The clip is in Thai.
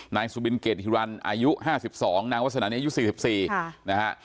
นายสุบินเกดฮรั่นอายุห้าสิบสองนางวาสนานี้อายุสี่สิบสี่นะฮะ